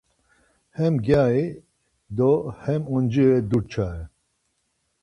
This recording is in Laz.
Hem gyari do hem oncire durçase